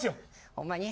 ホンマに？